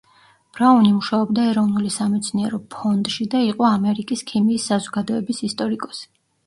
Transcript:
ბრაუნი მუშაობდა ეროვნული სამეცნიერო ფონდში და იყო ამერიკის ქიმიის საზოგადოების ისტორიკოსი.